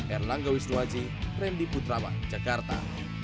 erlangga wisnuaji rendy putrawan jakarta